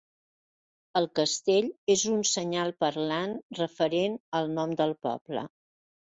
El castell és un senyal parlant referent al nom del poble.